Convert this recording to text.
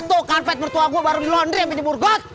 tuh karpet mertua gua baru dilondri pijabur got